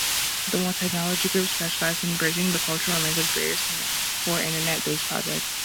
TheOne Technology Group specialized in bridging the cultural and language barriers for Internet-based projects.